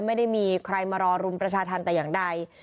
ไม่ได้มีใครมารอรุมประชาธรรมแต่อย่างใด